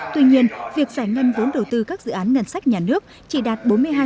tuy nhiên việc giải ngân vốn đầu tư các dự án ngân sách nhà nước chỉ đạt bốn mươi hai